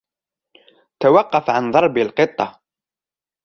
توقف عن ضرب القِطة!